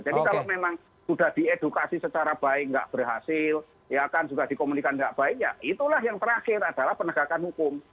jadi kalau memang sudah diedukasi secara baik tidak berhasil ya kan sudah dikomunikan tidak baik ya itulah yang terakhir adalah penegakan hukum